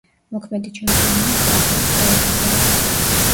მოქმედი ჩემპიონია სტამბოლის „გალათასარაი“.